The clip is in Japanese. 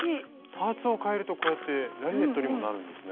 パーツを替えるとこうやってラリエットにもなるんですね。